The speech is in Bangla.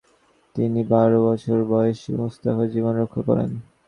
তিনি বারো বছর বয়সী মুস্তাফার জীবন রক্ষা করেন।